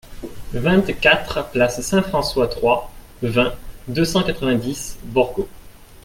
vingt-quatre place Saint-François trois, vingt, deux cent quatre-vingt-dix, Borgo